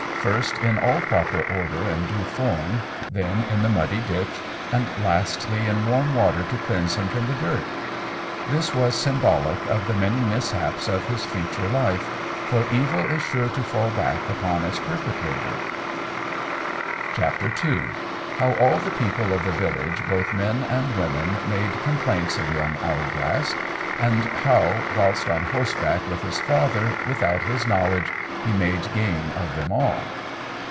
First, in all proper order and due form, then in the muddy ditch, and lastly, in warm water to cleanse him from the dirt. This was symbolic of the many mishaps of his future life, for evil is sure to fall back upon its perpetrator. II. _How all the People of the Village, both Men and Women, made complaints of young Owlglass; and how, whilst on horseback with his Father, without his knowledge, he made game of them all.